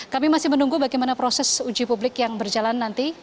kami masih menunggu bagaimana proses uji publik yang berjalan nanti